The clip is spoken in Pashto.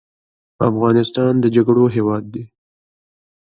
افغانستان د جګړو هیواد دی